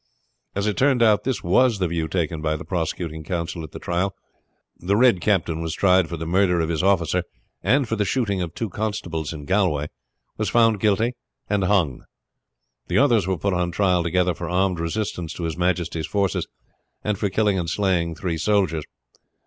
As it turned out this was the view taken by the prosecuting counsel at the trial. The Red Captain was tried for the murder of his officer and for the shooting of two constables in Galway, was found guilty, and hung. The others were put on trial together for armed resistance to his majesty's forces, and for killing and slaying three soldiers.